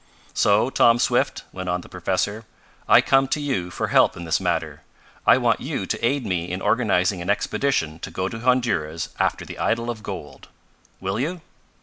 "So, Tom Swift," went on the professor, "I come to you for help in this matter. I want you to aid me in organizing an expedition to go to Honduras after the idol of gold. Will you?"